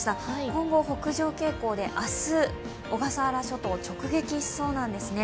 今後、北上傾向で、明日、小笠原諸島を直撃しそうなんですね。